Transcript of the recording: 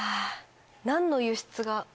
何の輸出が？